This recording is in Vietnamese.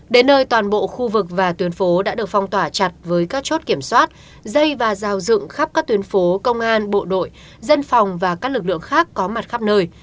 đến nơi toàn bộ khu vực và tuyến phố đã được phong tỏa chặt với các chốt kiểm soát dây và rào dựng khắp các tuyến phố công an bộ đội dân phòng và các lực lượng khác có mặt khắp nơi